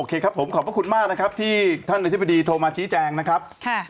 โอเคครับผมขอบคุณมากที่ท่านอาทิตย์บริษัทโทรมาชี้แจงนะครับ